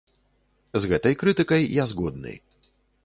З гэтай крытыкай я згодны.